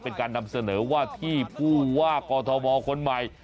เป็นการนำเสนอว่าที่ผู้ว่ากอทมคนใหม่